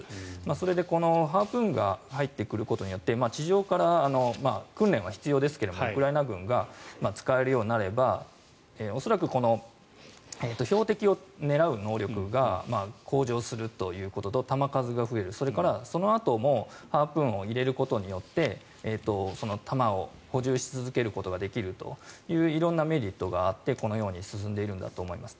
それでこのハープーンが入ってくることによって地上から訓練は必要ですがウクライナ軍が使えるようになれば恐らくこの標的を狙う能力が向上するということと弾数が増えるそれからそのあともハープーンを入れることによって弾を補充し続けることができるという色々なメリットがあってこのように進んでいるんだと思います。